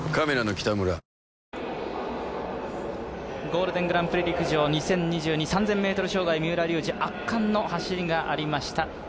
「ゴールデングランプリ陸上２０２２」３０００ｍ障害、三浦龍司、圧巻の走りがありました。